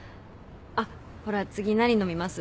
あっほら次何飲みます？